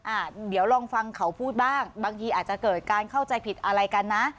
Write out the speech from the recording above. อ่ะเดี๋ยวลองฟังเขาพูดบ้างบางทีอาจจะเกิดการเข้าใจผิดอะไรกันนะ